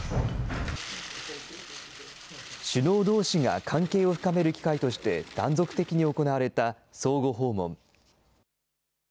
首脳どうしが関係を深める機会として断続的に行われた相互訪問。